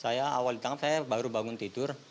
saya awal ditangkap saya baru bangun tidur